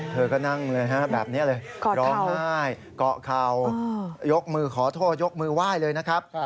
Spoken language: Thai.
เธอก็นั่งเลยฮะแบบนี้เลยร้องไห้เกาะเข่ายกมือขอโทษยกมือไหว้เลยนะครับ